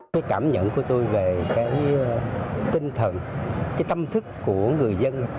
cái cảm nhận của tôi về cái tinh thần cái tâm thức của người dân